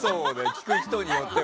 聞く人によっては。